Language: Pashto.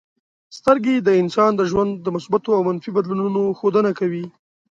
سترګې د انسان د ژوند د مثبتو او منفي بدلونونو ښودنه کوي.